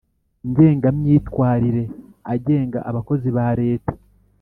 ngengamyitwarire agenga abakozi ba Leta